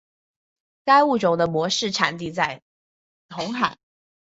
该物种的模式产地在红海。